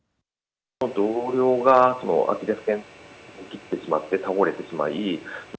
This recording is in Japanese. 同僚がアキレスけんを切ってしまって倒れてしまい。